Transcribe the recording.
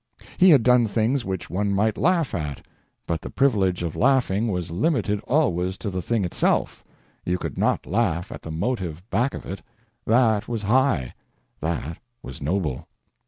He had done things which one might laugh at, but the privilege of laughing was limited always to the thing itself; you could not laugh at the motive back of it that was high, that was noble.